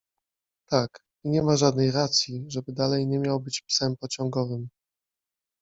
Tak, i nie ma żadnej racji, żeby dalej nie miał być psem pociągowym.